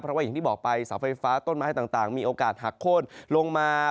เพราะว่าอย่างที่บอกไปเสาไฟฟ้าต้นไม้ต่างมีโอกาสหักโค้นลงมา